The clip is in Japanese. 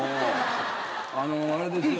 あのあれですよ。